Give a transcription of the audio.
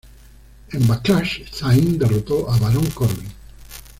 En Backlash, Zayn derrotó a Baron Corbin.